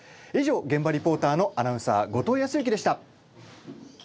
以上現場リポーターのアナウンサー後藤康之でした。